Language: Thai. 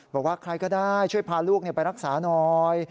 บอกว่าใครก็ได้ช่วยพาลูกไปรักษาหน่อย